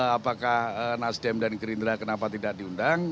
apakah nasdem dan gerindra kenapa tidak diundang